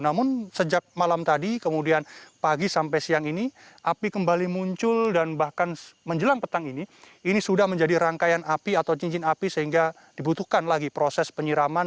namun sejak malam tadi kemudian pagi sampai siang ini api kembali muncul dan bahkan menjelang petang ini ini sudah menjadi rangkaian api atau cincin api sehingga dibutuhkan lagi proses penyiraman